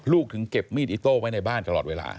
ถึงเก็บมีดอิโต้ไว้ในบ้านตลอดเวลา